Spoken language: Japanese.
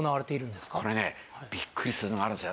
これねビックリするのがあるんですよ。